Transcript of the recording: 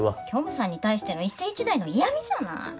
虚無さんに対しての一世一代の嫌みじゃない。